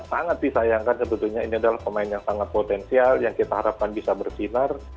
sangat disayangkan sebetulnya ini adalah pemain yang sangat potensial yang kita harapkan bisa bersinar